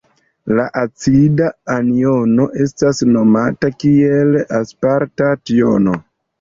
La acida anjono estas nomata kiel aspartat-jono.